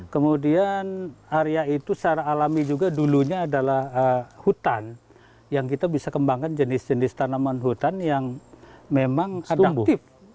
kemudian area itu secara alami juga dulunya adalah hutan yang kita bisa kembangkan jenis jenis tanaman hutan yang memang adaptif